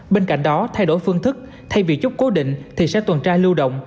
bên cạnh đó thay đổi phương thức thay vì chút cố định thì sẽ tuần tra lưu động